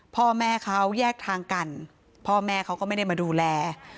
พ่อแม่เขาแยกทางกันพ่อแม่เขาก็ไม่ได้มาดูแล